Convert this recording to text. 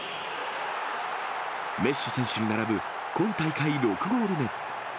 メッシ選手に並ぶ、今大会６ゴール目。